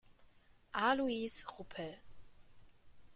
Alois Ruppel